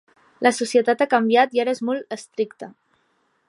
La societat ha canviat i ara és molt estricta.